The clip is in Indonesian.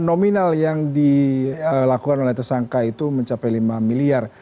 nominal yang dilakukan oleh tersangka itu mencapai lima miliar